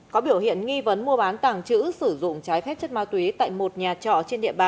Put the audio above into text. có biểu hiện nghi vấn mua bán tàng trữ sử dụng trái phép chất ma túy tại một nhà trọ trên địa bàn